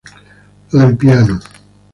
Lo del piano.